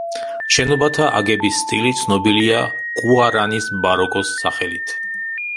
შენობათა აგების სტილი ცნობილია გუარანის ბაროკოს სახელით.